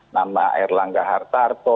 nama erlangga hartarto